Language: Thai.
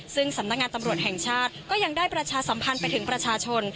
ซึ่งสำนักงานตำรวจแห่งชาติก็ยังได้ประชาสัมพันธ์ไปถึงประชาชน